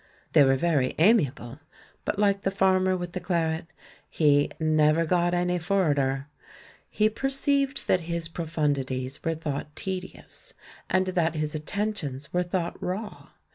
They were very amiable, but, like the farmer with the claret, he "never got any forrad er." He perceived that his profundities were thought tedious, and that his attentions were thought raw.